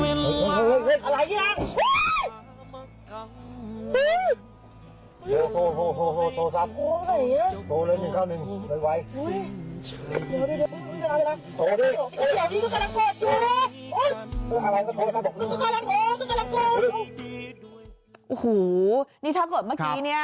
โอ้โหนี่ถ้าเกิดเมื่อกี้เนี่ย